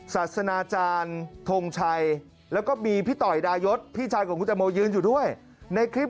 ศาสนาจารย์ทงชัยแล้วก็มีพี่ต่อยดายศพี่ชายของคุณตังโมยืนอยู่ด้วยในคลิป